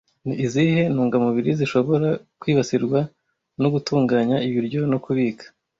Ni izihe ntungamubiri zishobora kwibasirwa no gutunganya ibiryo no kubika